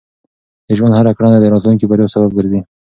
د ژوند هره کړنه د راتلونکي بریا سبب ګرځي.